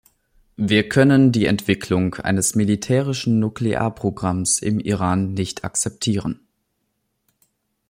Wir können die Entwicklung eines militärischen Nuklearprogramms im Iran nicht akzeptieren.